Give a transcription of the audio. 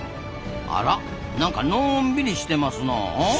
あらなんかのんびりしてますなあ。